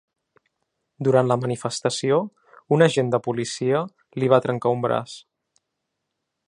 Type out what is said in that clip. Durant la manifestació, un agent de policia li va trencar un braç.